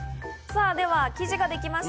生地ができました。